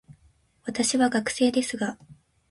私は学生ですが、